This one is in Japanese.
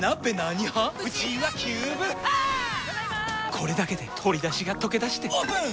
これだけで鶏だしがとけだしてオープン！